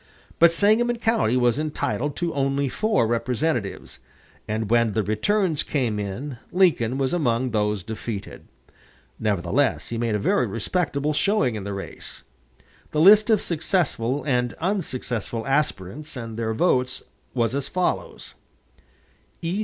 But Sangamon County was entitled to only four representatives and when the returns came in Lincoln was among those defeated. Nevertheless, he made a very respectable showing in the race. The list of successful and unsuccessful aspirants and their votes was as follows: E.